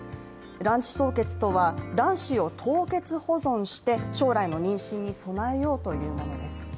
卵子凍結とは、卵子を凍結保存して将来の妊娠に備えようというものです。